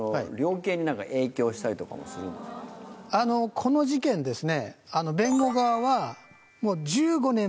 この事件ですね。